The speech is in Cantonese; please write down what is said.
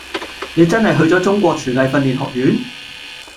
你真係去咗中國廚藝訓練學院？